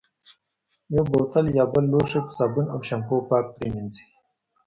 یو بوتل یا بل لوښی په صابون او شامپو پاک پرېمنځي.